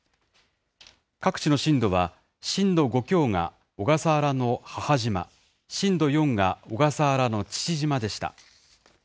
各地の震度は、震度５強が小笠原の母島、震度４が小笠原の父島でした。